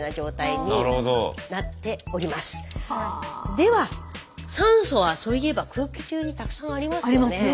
では酸素はそういえば空気中にたくさんありますよね。